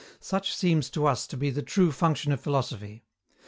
Such seems to us to be the true function of philosophy.